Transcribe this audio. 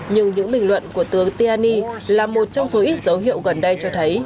nhưng những bình luận của tướng tiani là một trong số ít dấu hiệu gần đây cho thấy